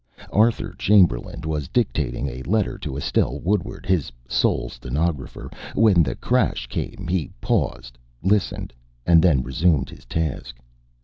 Arthur Chamberlain was dictating a letter to Estelle Woodward, his sole stenographer. When the crash came he paused, listened, and then resumed his task.